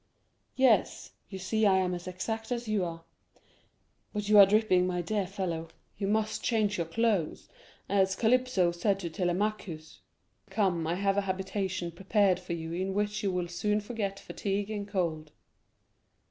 "Yes; you see I am as exact as you are. But you are dripping, my dear fellow; you must change your clothes, as Calypso said to Telemachus. Come, I have a habitation prepared for you in which you will soon forget fatigue and cold."